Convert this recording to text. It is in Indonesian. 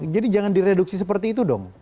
jadi jangan direduksi seperti itu dong